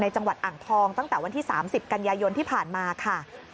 จังหวัดอ่างทองตั้งแต่วันที่๓๐กันยายนที่ผ่านมาค่ะ